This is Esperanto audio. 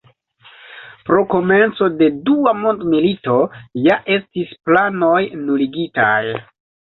Pro komenco de dua mondmilito ja estis planoj nuligitaj.